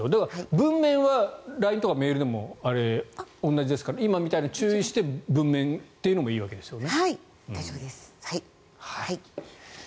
文面はＬＩＮＥとかメールでも同じですから今みたいな注意をした文面でもいいってことですよね。